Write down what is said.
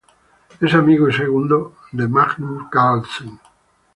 Es amigo y segundo de Magnus Carlsen.